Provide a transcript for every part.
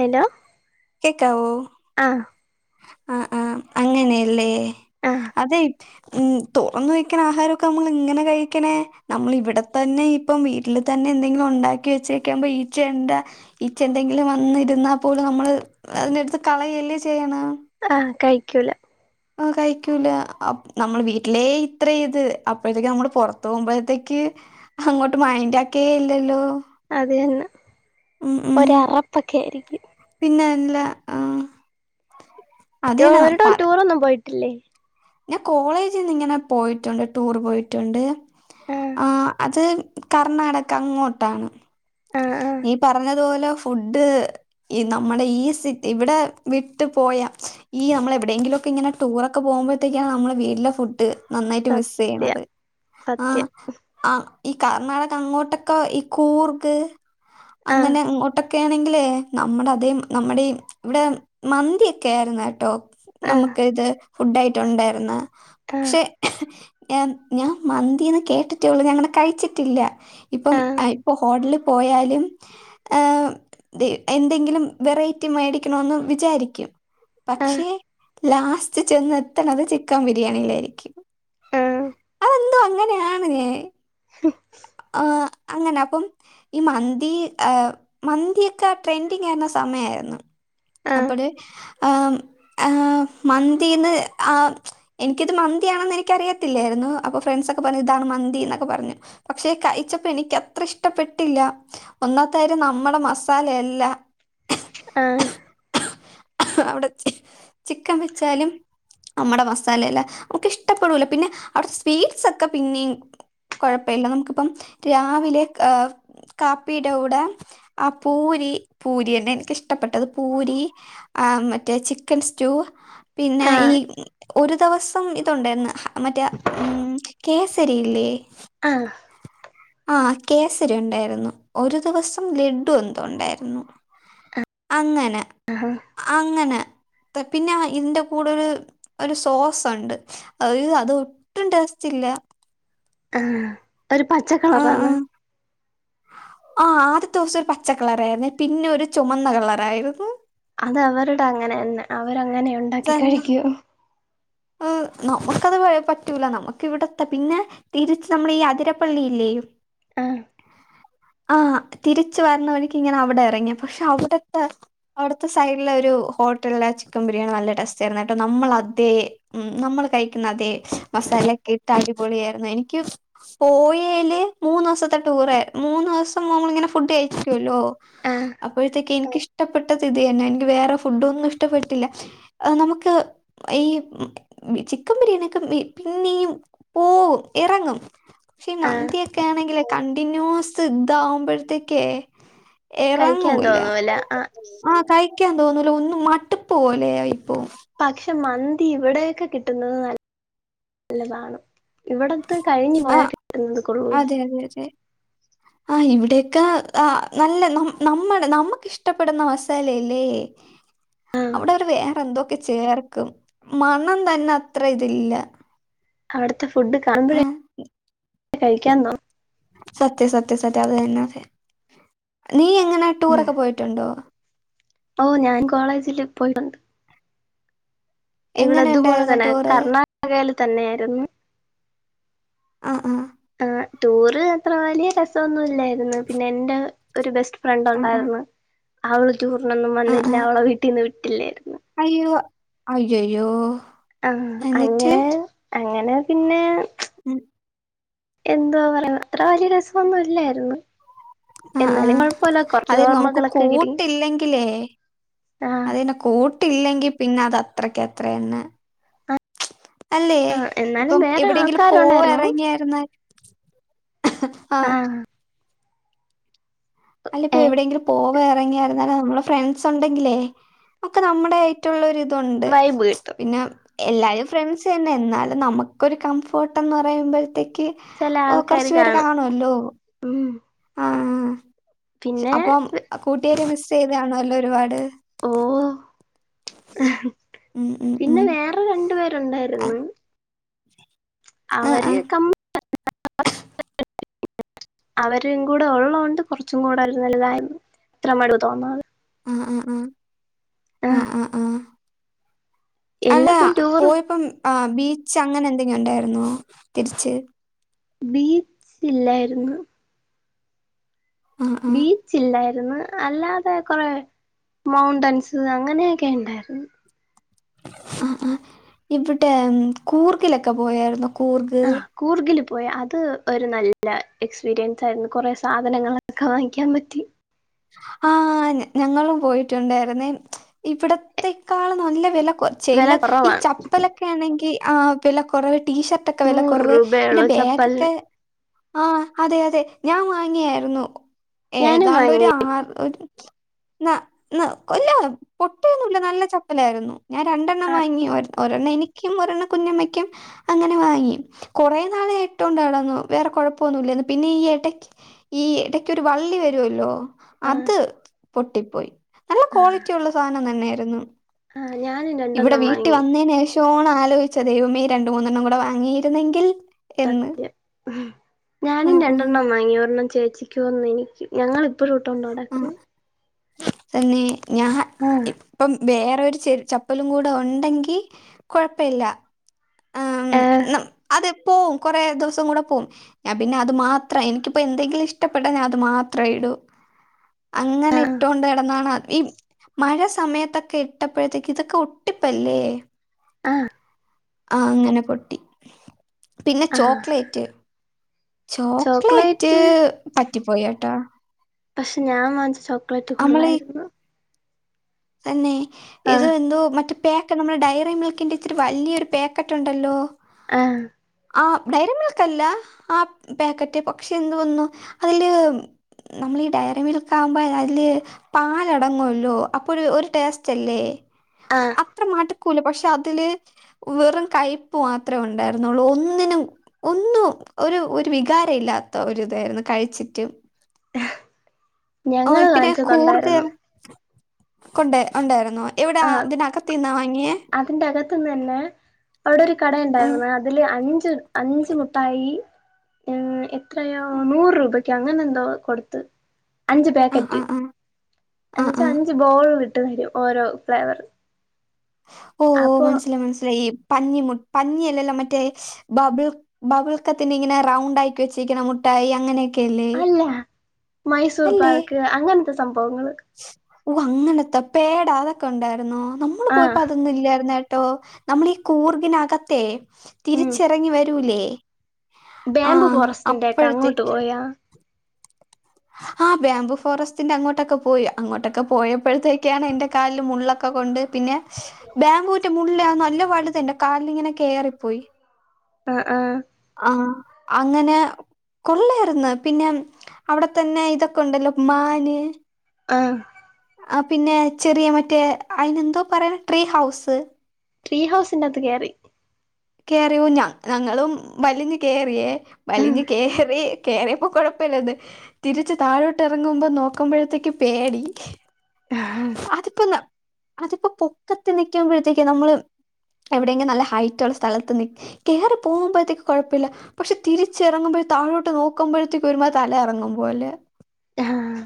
Hello കേക്കാവോ ആഹ് ആഹ് ആഹ് അങ്ങനെയല്ലേ ആഹ് അതെ ഉ തുറന്നു വെക്കണ ആഹാരമൊക്കെ നമ്മൾ ഇങ്ങനെ കഴിക്കണേ നമ്മൾ ഇവിടെ തന്നെ ഇപ്പം വീട്ടിൽ തന്നെ എന്തെങ്കിലും ഉണ്ടാക്കി വെച്ചേക്കുമ്പ ഈച്ച ഈച്ച എന്തെങ്കിലും വന്നിരുന്നാ പോലും നമ്മള് അതിന്റെടുത്ത് കളയല്ലേ ചെയ്യ ആ ആ കഴിക്കൂല ആ കഴിക്കൂല നമ്മൾ വീട്ടിലെ ഇത്ര ഇത് അപ്പോഴത്തേക്ക് നമ്മള് പുറത്ത് പോപുമ്പോഴത്തേക്ക് അങ്ങോട്ട് മൈൻഡാക്കേ ഇല്ലല്ലോ അത് തന്നെ ഉം ഉം ഒര അറപ്പൊക്കെ ആയിരിക്കും പിന്നെല്ല ആഹ് അതന്നെ ഒരെടോം പറ ടൂർ ഒന്നും പോയിട്ട് അല്ലെ ഞാൻ കോളേജിന്ന് ഇങ്ങനെ പോയിട്ടുണ്ട് ടൂർ പോയിട്ടുണ്ട് ആഹ് ആ അത് കർണാടക അങ്ങോട്ടാണ് ആഹ് ആഹ് നീ പറഞ്ഞത്പോലെ ഫുഡ് നമ്മുടെ ഈ സിറ്റി ഇവിടെ വിട്ട് പോയാ ഈ നമ്മള എവിടെയെങ്കിലുമൊക്കെ ഇങ്ങനെ ടൂറൊക്കെ പോകുമ്പോ ത്തേക്കാണ് നമ്മൾ വീട്ടില ഫുഡ് നന്നായിട്ട് മിസ് ചെയ്യണത് സത്യം ആ സത്യം ആ ഈ കർണാടക അങ്ങോട്ടൊക്കെ ഈ കൂർഗ് ആഹ് അങ്ങനെ ഇങ്ങോട്ട് ക്കെ ആണെങ്കിലേ നമ്മുടെ അതേ നമ്മുടെ ഇവിടെ മന്തി ഒക്കെ ആയിരുന്നു കേട്ടോ നമുക്ക് ഇത് ഫുഡായി ട്ടുണ്ടായിരുന്നു ആഹ് പക്ഷെ ഞാൻ ഞാൻ മന്തിന്ന് കേട്ടിട്ടേള്ളൂ ഞാങ്ങനേ കഴിച്ചിട്ടില്ല ഇപ്പം ആഹ് അ ഇപ്പ ഹോട്ടല് പോയാലും ഏ ന്തേ എന്തെങ്കിലും വെറൈറ്റി മേടിക്കണേന്ന് വിചാരിക്കും ആഹ് പക്ഷേ ലാസ്റ്റ് ചെന്ന് എത്തണത് ചിക്കൻ ബിരിയാണിയിലായിരിക്കും ആഹ് എന്തോ അങ്ങനെയാണ് ഞാൻ ആ അങ്ങനെ അപ്പം ഈ മന്തി ഏ മന്തിയൊക്കെ ട്രെൻഡിങ് ആയിരുന്ന സമയായിരുന്നു ആഹ് ആഹ് അപ്പഴ് ആ ആ മന്തിന്ന് ആ എനിക്കിത് മന്തിയാണെന്ന് എനിക്കറിയത്തില്ലായിരുന്നു അപ്പൊ ഫ്രണ്ട്സൊക്കെ പറഞ്ഞു ഇതാണ് മന്തി എന്നൊക്കെ പറഞ്ഞു പക്ഷേ കഴിച്ചപ്പോ എനിക്ക് അത്ര ഇഷ്ടപ്പെട്ടില്ല ഒന്നാത്തയിരം നമ്മുടെ മസാലയല്ല ആ അ അവിടെ ചി ചിക്കൻ വെച്ചാലും നമ്മടെ മസാലയല്ല നമുക്ക് ഇഷ്ടപ്പെടൂല പിന്നെ അവിടെ സ്വീറ്റ്സ് ഒക്കെ പിന്നെയും കുഴപ്പമില്ല നമുക്കിപ്പം രാവിലെ കാപ്പിയുടെ കൂടെ ആ പൂരി പൂരി അല്ലെ എനിക്കിഷ്ടപ്പെട്ടത് പൂരി ആ മറ്റേ ചിക്കൻ സ്റ്റൂ പിന്നെ ഈ ആഹ് ഒരു ദിവസം ഇപ്പം ഇതുണ്ടാഴ്ന്ന് അങ്ങനത്തെ ഉം കേസരി ഇല്ലേ ആ ആഹ് കേസരി ഉണ്ടായിരുന്നു ഒരു ദിവസം ലഡു എന്തും ഉണ്ടായിരുന്നു അങ്ങനെ ആഹ അങ്ങനെ പിന്നെ ഇതിന്റെ കൂടെ ഒരു ഒരു സോസ് ഉണ്ട് അ അത് ഒട്ടും ടേസ്റ്റ് ഇല്ല ആ ഒരു പച്ച കളറാണ് ആ ആദ്യത്തെ ദിവസം ഒരു പച്ചക്കളറായിരുന്നേ പിന്നെ ഒരു ചുമന്ന കളർ ആയിരുന്നു അത് അവരുടെ അങ്ങനെന്നെ അവ അങ്ങനെ ഉണ്ടാക്കി തന്നെ കഴിക്കും നമുക്കത് പറ്റൂല നമുക്ക് ഇവിടെത്ത പിന്നെ തിരിച്ച് നമ്മള ഈ അതിരപ്പള്ളില്ലേ ആഹ് ആ തിരിച്ച് വരണ വഴിക്ക് ഇങ്ങനെ അവിടെ ഇറങ്ങിയ പക്ഷെ അവിടുത്തെ അവിടുത്തെ സൈഡിലെ ഒരു ഹോട്ടലിലെ ചിക്കൻ ബിരിയാണി നല്ല ടേസ്റ്റ ആയിരുന്നു കേട്ടോ നമ്മൾ അതേ ഉം നമ്മൾ കഴിക്കുന്ന അതെ മസാല ഒക്കെ ഇട്ട് അടിപൊളി ആയിരുന്നു എനിക്ക് പോയേല് മൂന്ന് ദിവസത്തെ ടൂറായി മൂന്ന് ദിവസം നമ്മളിങ്ങനെ ഫുഡ് കഴിക്കുവല്ലോ ആഹ് അപ്പഴ്ത്തേക്ക് എനിക്ക് ഇഷ്ടപ്പെട്ടത് ഇത് തന്നെ എനിക്ക് വേറെ ഫുഡൊന്നും ഇഷ്ടപ്പെട്ടില്ല നമുക്ക് ഈ- ചിക്കൻ ബിരിയാണിയക്കെ പിന്നെയും പോവും ഇറങ്ങും പക്ഷെ ഈ ആഹ് മന്തിയക്കെ ആണെങ്കിലെ കണ്ടിന്യൂസ് ഇതാവുമ്പോഴത്തേക്കേ- കഴിക്കാൻ എറങ്ങൂല തോന്നൂല ആഹ് ആഹ് കയ് - ക്കാ തോന്നൂല ഒന്ന് മടുപ്പ് പോലെയാ ഇപ്പോ പക്ഷെ മന്തി ഇവിടെയൊക്കെ കിട്ടുന്നത് നല്ല നല്ലതാണ് ഇവിടത്തെ കഴിഞ്ഞു പോയാ ആഹ് കിട്ടുന്നത് കൊള്ളൂല അതെ അതെ അതെ ആഹ് ഇവിടേക്കെ നല്ല ന നമ്മ നമ്മുക്കിഷ്ടപ്പെടുന്ന മസാലയല്ലേ ആ അവിടെ അവര് വേറെ എന്തോ ചേർക്കും മണം തന്നെ അത്ര ഇതില്ല അവിടു ഫുഡ് കാണുമ്പഴേ ആഹ് കഴിക്കാന്നോ സത്യം സത്യം സത്യം അത് തന്നെ ആ നീ എങ്ങനെ തോന്നും ടൂറൊക്കെ പോയിട്ടുണ്ടോ ഓ ഞാൻ കോളേജില് പോയിട്ടുണ്ട് ഇവിടെ എങ്ങനെ അതുപോലെ ഉണ്ടായിരുന്നു തന്നെ ടൂറ് കർണാടകയില് തന്നെയായിരുന്നു ആഹ് ആഹ് ആഹ് ടൂറ് അത്ര വലിയ രസോന്നുൽ ലായിര്ന്ന് പിന്നെ എന്റെ ഒരു ബെസ് ഫ്രണ്ട് ആഹ് ഒണ്ടായ്ര്ന്ന് അവള് ടൂറിനൊന്നും ആഹ് ആഹ് വന്നില്ല. ആഹ് അവളെ വീട്ടീന്ന് വി ട്ടില്ലേര്ന്നു അയ്യോ അയ്യയ്യോ ആഹ് എന്നിട്ട് അങ്ങനെ അങ്ങനെ പിന്നെ ഉം എന്തോ പറയാ അത്ര വല്യ രസൊന്നും ഇല്ലായ്ര്ന്ന് അഹ് ആഹ് അത് നമുക്ക് ഓർമ്മകളൊക്കെ കിട്ടി കൂട്ടില്ലെങ്കിലേ ആ അതന്നെ കൂട്ടില്ലെങ്കി പിന്നെ അത് അത്രക്ക് അത്രയന്ന് അല്ലേ എന്നാലും ഇപ്പം വേറെ എവിടെയെങ്കിലും പോവാ ആൾക്കാരുണ്ടായിരുന്നു എറങ്ങിയാര്ന്നാല് ആഹ ആഹ് അല്ല ഇപ്പോ ഏ എവിടെയെങ്കിലും പോവ ഇറങ്ങിയായിരുന്നാല നമ്മെ ഫ്രണ്ട്സ് ഉണ്ടെങ്കിലേ ഒക്കെ നമ്മുടെ ആയിട്ടുള്ള ണ്ട് വൈബ് കിട്ടും പിന്നെ എല്ലാവരും ഫ്രണ്ട്സ് തന്നെ എന്നാലും നമുക്കൊരു കംഫോർട്ട് എന്ന് പറയുമ്പോഴത്തേക്ക് ചെല ക്ക് ആൾക്കാര് കൊറച്ചു പേര് കാണും കാണുമല്ലോ ഉം ആഹ പിന്നെ അപ്പം കൂട്ടുകരി മിസ് ചെയ്താണോല്ലോ ഒരുപാട് ഓ ഉം ഉം പിന്നെ ഉം വേറെ രണ്ടു ആഹ് പേരുണ്ടായിരുന്നു അവര് ആഹ് കമ്മ അവരും കൂടെ ഉള്ളതുകൊണ്ട് കുറച്ചും കൂടെ ഒരു നല്ലതായിരുന്നു ഇത്ര മടുവ് തോന്നാത് ഉം ഉം ഉം ആഹ ആഹ് ആഹ അല്ല എല്ലാത്തും ടൂർ പോയപ്പം ബീച്ച് രിച്ച അങ്ങനെ എന്തെങ്കും ഉണ്ടായിുന്നോ തിരിച്ച് ബീച്ച ഇല്ലായിരുന്നു ആ ആ ബീച്ചില്ലായി അല്ലാതെ കൊറെ മൗണ്ടൻസ് അങ്ങനെയൊക്കെ ഉണ്ടായിരുന്നു ആ ആ ഇവിടെ കൂർഗിലൊക്കെ പോയായിരുന്നു കൂർുക ആഹ് കൂർഗില് പോയി അത് ഒരു നല്ല എക്സ്പീരിയൻസ് ആയിരുന്നു കുറ സാധനങ്ങളൊക്കെ വാങ്ങിക്കാൻ പറ്റി ആഹ് ഞങ്ങളും പോയിട്ടുണ്ടായിുന്നേ ഇവിടത്തെേക്കാൾ നല്ല വില വെല ചെയ ഈ കുറവാണ് ചപ്പലൊക്കെ ആണെങ്കിൽ ആ പെലെ കൊറവട്ട ടീഷർട്ട ഒക്കെ വില നൂറ് കുറവ് രൂപയേ പിന്നെ ഉള്ളൂ ചപ്പലിന് ബാഗൊക്കെ ആഹ അതെ അതെ ഞാൻ വാങ്ങിയായിരുന്നു ഞാനും വാങ്ങി ആ ഒരു ന നീ അല്ല പൊട്ടയൊന്നുമല്ല നല്ല ചപ്പലായിരുന്നു ഞാൻ രണ്ടെണ്ണം ആഹ് വാങ്ങി ഒ ഒ ഒരെണ്ണ എനിക്കും ഒരെണ്ണ കുഞ്ഞമ്മയ്ക്കും അങ്ങനെ വാങ്ങി കുറെേ നാളായിട്ടൊണ്ടാടന്നു വേറെ കൊഴപ്പൊന്നുല്ലന്ന് പിന്നെ ഈ ഇടക്ക് ഈ ഇടക്കൊരു വള്ളി വരുവല്ലോ ആഹ് അത് പൊട്ടിപ്പോയി നല്ല ആഹ് ക്വാളിറ്റി ഉള്ള സാധനം തന്നെയായിരുന്നു രുന്നു ആഹ് ഞാനും ഇവിടെ രണ്ടെണ്ണം വാങ്ങി വീട്ടിവന്നേനേഷാണ് അ ആലോയിച്ച ദൈവമെ രണ്ടമൂന്നെണ്ണംകൂടി വാങ്ങിയിരുന്നെങ്കിൽ എന്ന് സത്യം ആ ഞാനും ആ രണ്ടെണ്ണം വാങ്ങിയ ഒരെണ്ണം ചേച്ചി ച്ചിക്കൂന്ന് ഒന്നെനിക്കും ഞങ്ങൾ ആ ഇപ്പഴുട്ടോണ്ടടക്കണ് തന്നെ ഞാൻ ഇപ്പം വേറെരു ചെ ചപ്പലും കൂടെ ഒണ്ടെങ്കി കുഴപ്പില്ല ആഹ് ഏഹ് അം അത് പോവും കൊറെ ദിവസം കൂടെ പോം ഞാൻ പിന്നെ അത് മാത്രം എനിക്കിപ്പോ എന്തെങ്കിലും ഇഷ്ടപ്പെട്ട ഞാൻ അത് മാത്രെഇടൂ അങ്ങനെ ആഹ് ഇട്ടോണ്ട് ഇടന്നാണ് ഈ മഴ സമയത്തൊക്കെ ഇട്ടപ്പോഴത്തേക്ക് ഇതൊക്കെ ഒട്ടിപ്പല്ലേ ആഹ് ആ അങ്ങനെ പൊട്ടി പിന്നെ ആഹ് ചോക്ലേറ്റ് ചോക്ലേറ്റ് പ പറ്റിപോയട്ടാ പക്ഷെ ഞാൻ വാച്ച ചോക്ലേറ്റ് കൊള്ളായിരുന്നു തന്നെ ഇത് ആഹ് എന്തോ മറ്റെ പാക്ക് നമ്മുടെ ഡയറി മിൽക്കിൻ്റെ ഇച്ചിരി വലിയൊരു പാക്കറ്റ് ഒണ്ടല്ലോ ആഹ് ആ ഡയറി മിൽക്കല്ല ആ പാക്കറ്റ് പക്ഷെ എന്ത് വന്നു അതില് നമ്മളീ ഡയറി മിൽക്കാവുമ്പോ അയില് പാലടങ്ങുല്ലോ അപ്പൊരു ഒരു ടേസ്റ്റല്ലേ ആഹ് അത്ര മടുക്കൂല പക്ഷെ അതില് വെറും കയിപ്പ്മാത്രെ ഒണ്ടായിരുന്നുള്ളൂ ഒന്നിനും ഒന്നും ഒരു ഒരു വികാരം ഇല്ലാത്ത ഒരിതായിരുന്നു കഴിച്ചിട്ട് ഓ ഞങ്ങള് കാണിച്ചതൊണ്ടായിരുന്നു കൊണ്ട ഒണ്ടായിരുന്നൊ ആ അതിന്റെ അകത്തുന്ന് തന്നെ അവിടെ ഒരു കട ആ ഉണ്ടായിരുന്നു അതില് അഞ്ച് ച് [unintelligible] അഞ്ച് മുട്ടായി ഏഹ് എത്രയോ നൂറ് രൂപക്ക് അങ്ങനെന്തോ കൊടുത്ത് അഞ്ച് ആ ആ പാക്കറ്റ് ആ ആ എന്നച്ചാ ആ അഞ്ച്ബോളി- ട്ട് ഓരോഫ്ലേവർ ഓ മനസില മനസിലയി പഞ്ഞിമ പഞ്ഞിയല്ലല്ലോ മറ്റേബബിൾക്കത്തിന്റെ ഇങ്ങനെ റൗണ്ട ആക്കി വെച്ചിരിക്കണ മുട്ടായി അങ്ങനെ അല്ല മൈസൂർ അല്ലേ പാക്ക് അങ്ങനെ [inaudible] അപ്പങ്ങൾ ഓ അങ്ങനത്തെ പേടാ അതൊക്കെ ഉണ്ടായിരുന്നോ നമ്മള് ആഹ് പോയപ്പോ അതൊന്നുല്ലായിരുന്ന നമ്മളീ കൂർഗിനകത്തെ തിരിച്ചിറങ്ങി വരൂലേ [inaudible] ആ ബാങ്ക് ഫോറസ്റ്റിന്റെ ഒക്കെ അങ്ങോട്ട് അപ്പോഴത്തേക്ക് പോയാ ആ ബാബു ഫോറസ്റ്റിന്റെ അങ്ങോട്ടൊക്കെ പോയി അങ്ങോട്ടൊക്കെ പോയപ്പോഴത്തേക്കാണ് എന്റെ കാലിൽ മുള്ളൊക്കെ കൊണ്ട് പിന്നെ ബാബുവിന്റെ മുള്ള്നല്ല വലുതല്ലേ കാലിലിങ്ങനെ കെറിപ്പോയി ആ അ ആഹ അങ്ങനെ കൊള്ളായിരുന്നു ന്നു പിന്നെ അവിടെ തന്നെ ഇതൊക്കെ ഉണ്ടല്ലോ മാന് ആഹ ആ പിന്നെ ചെറിയ മറ്റേ അയിനെന്തോ പറയാന ട്രീ ഹൗസ് ട്രീ ഹൗസിന്റെത്ത് കയറി കേയറിയു ഞങ്ങളും വലിഞ് കേയറിയേ വലിഞ് കേയറി കേയറിയപ്പോ കൊഴപ്പമില്ലായിരുന്നു തിരിച്ച് താഴോട്ട് ഇറങ്ങുമ്പോ നോക്കുമ്പോഴത്തേക്ക് പേടി അതിപ്പോന്ന- അതിപ്പോ പൊക്കത്ത് നിൽക്കുമ്പോഴത്തേക്ക നമ്മള് എവിടെയെങ്കിലും നല്ല ഹൈറ്റ് ഉള്ള സ്ഥലത്ത് നി കേയറി പോകുമ്പോഴത്തേക്ക് കുഴപ്പമില്ല പക്ഷെ തിരിച്ച ഇറങ്ങുമ്പോഴ താഴോട്ട് നോക്കുമ്പോഴത്തേക്ക് ഒരുമാരി തല കറങ്ങുമ്പോലെ ആഹ്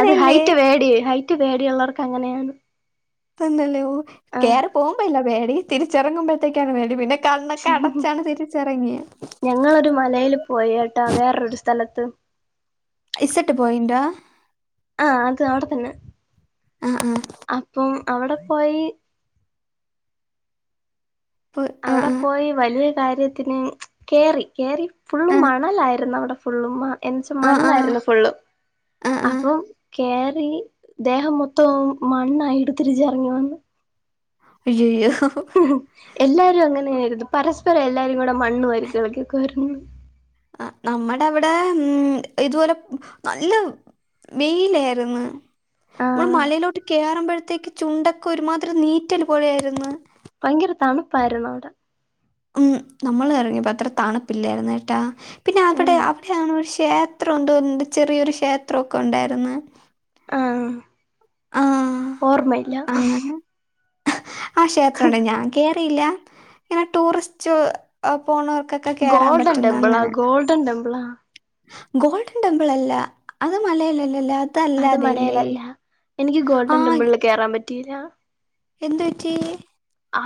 അത് ഹൈറ്റ് പേടി ഹൈ റ്റ് പേടിയുള്ളവർക്ക് അങ്ങനെയാണ് തന്നല്ലേ കേയറി ആഹ് പോവുമ്പോയില്ല പേടി തിരിച്ചറുമ്പോഴത്തേക്കാണ് പേടി പിന്നെ കണ്ണൊക്കെ അടച്ചാണ് തിരിച്ചിറങ്ങിയെ [inaudible] ഞങ്ങളൊരു മലയിൽ പോയേട്ടാ വേറരു സ്ഥലത്ത് ഇസട്ട് പോയിന്റ ആഹ അത് അവിടെ തന്നെ ആഹ് ആഹ് അപ്പൊ അവിടെ പോയി ആഹ് അവിടെ ആഹ് പോയി വലിയ കാര്യത്തിന് കേറി കേറി ഫുള്ള് ആ മണലായിരുന്നു അവിടെ ഫുള്ളും എന്നച്ചാ ആ ആ മണ്ണായിരുന്നു ഫുള്ളും ആ ആ അപ്പം കേറി ദേഹം മൊത്തം മണ്ണായിട്ട് തിരിച്ച്ഇറങ്ങ്യാണ്ട്. അയ്യയ്യോ എല്ലാരും അങ്ങനേയ്ര്ന്ന് പരസ് എല്ലാരുംകൂടെ മണ്ണ് വാരി കളിക്ക്യക്കാർന്ന് ആ നമ്മടെ ഇവിടെ ഉ ഇതുപോലെ നല്ല വെയിലായിരുന്നു ആ നമ്മൾ മലയിലോട്ട് കേയറുമ്പോഴത്തേക്ക് ചുണ്ടൊക്കെ ഒരുമാതിരി ഒരു നീറ്റല് പോലെ ആയിര്ന്ന് ഭയങ്കര തണുപ്പായ്രുന്ന് ഇവ്ടെ ഉം നമ്മൾ എറങ്ങിയപ്പോ അത്ര തണുപ്പില്ലായിരുന്ന് കെട്ടാ പിന്നെ അവിടെ അവിടെയാണ് ഒരുശ് ക്ഷേത്രം ഉണ്ട്ണ്ട് ചെറിയൊരു ക്ഷേത്രോക്കെ ഉണ്ടായ്ര്ന്നു ആ ഓർമ്മയില്ല ആ ആ ക്ഷേത്രണ്ട് ഞാൻ കേ ഇല്ല്യ ഇങ്ങനെ ടൂറിസ്റ്റ് പോണവർക്കൊക്കെ കേറാൻ ഗോൾഡൻ പറ്റുന്ന ടെമ്പിളാ അങ്ങനെ ഗോൾഡൻ ടെമ്പിളാ ഗോൾഡൻ ടെമ്പിൾ അല്ല അത് മലയിലല്ലല്ല അത് മനയിലല്ല എനിക്ക് ഗോൾഡൻ ടെമ്പിള കയറാൻ പറ്റും റ്റില്ല എന്ത്‌ പറ്റി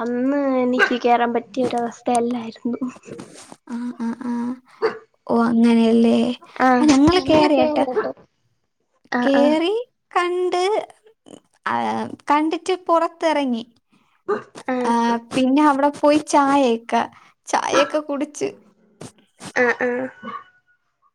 അന്ന് എനിക്ക് കയറാൻ പറ്റിയ ഒരവസ്ഥയല്ലായിരുന്നു അങ്ങനെ ല്ലേ ആഹ് ആ ഞങ്ങള് കേറി കേറിയട്ടാ കേട്ടോ ആഹ് ആഹ് കേറി കണ്ട് ആ കണ്ടിട്ട് പൊറത്തെറങ്ങി ആഹ് ആ പിന്നെ അവിടെ പോയി ചായയേക്ക ചായൊക്കെ കുടിച്ച് ആഹ് ആഹ്